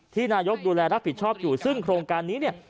นายกดูแลรับผิดชอบอยู่ซึ่งโครงการนี้เนี่ย